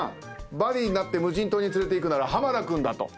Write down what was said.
バディになって無人島に連れて行くなら濱田君だと。